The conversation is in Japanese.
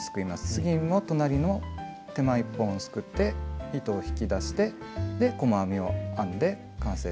次も隣の手前１本をすくって糸を引き出して細編みを編んで完成です。